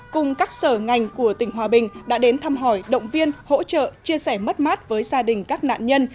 cùng các sở ngành của tỉnh hòa bình đã đến thăm hỏi động viên hỗ trợ chia sẻ mất mát với gia đình các nạn nhân